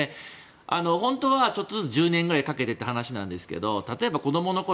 本当はちょっとずつ１０年ぐらいかけてっていう話ですけど例えば、子供のころ